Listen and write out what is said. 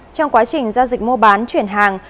trong quá trình giao dịch mua bán chuyển hàng